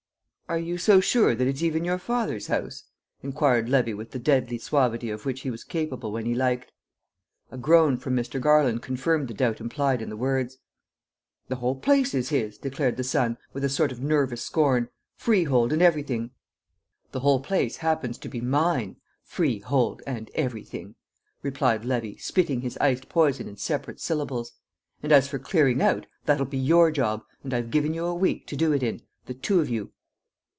"Are you so sure that it's even your father's house?" inquired Levy with the deadly suavity of which he was capable when he liked. A groan from Mr. Garland confirmed the doubt implied in the words. "The whole place is his," declared the son, with a sort of nervous scorn "freehold and everything." "The whole place happens to be mine 'freehold and everything!'" replied Levy, spitting his iced poison in separate syllables. "And as for clearing out, that'll be your job, and I've given you a week to do it in the two of you!"